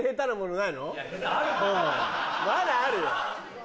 まだあるよ。